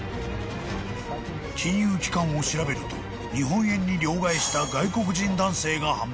［金融機関を調べると日本円に両替した外国人男性が判明］